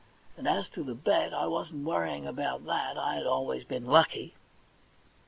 And as to the bet, I wasn't worrying about that ; I had always been lucky.